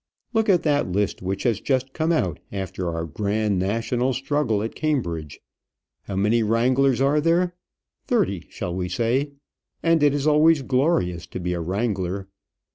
Look at that list which has just come out after our grand national struggle at Cambridge. How many wranglers are there? Thirty, shall we say? and it is always glorious to be a wrangler.